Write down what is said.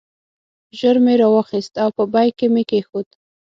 ژر مې را واخیست او په بیک کې مې کېښود.